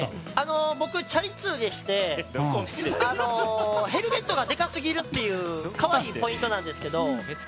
僕、チャリ通でしてヘルメットがでかすぎるという可愛いポイントですが。